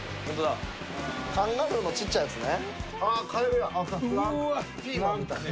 カンガルーの小っちゃいやつね。